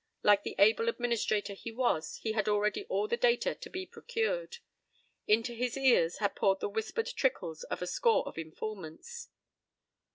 Like the able administrator he was, he had already all the data to be procured. Into his ears had poured the whispered trickles of a score of informants.